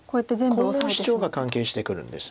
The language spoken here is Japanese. このシチョウが関係してくるんです。